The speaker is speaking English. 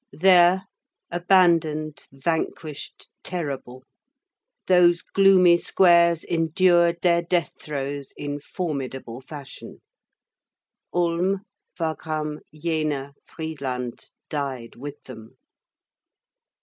There, abandoned, vanquished, terrible, those gloomy squares endured their death throes in formidable fashion. Ulm, Wagram, Jena, Friedland, died with them.